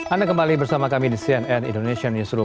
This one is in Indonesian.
anda kembali bersama kami di cnn indonesia newsroom